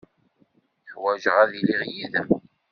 Ḥwajeɣ ad iliɣ yid-m.